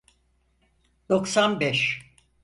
Doksan beş.